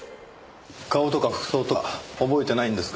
顔とか服装とか覚えてないんですか？